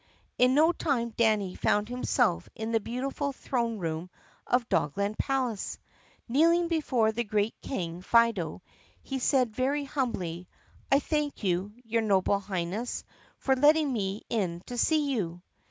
In no time Danny found himself in the beautiful throne room of Dogland Palace. Kneeling before the great King Fido he said very humbly, "I thank you, your Noble Highness, for letting me in to see you."